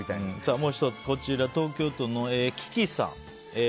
もう１つ、東京都の方。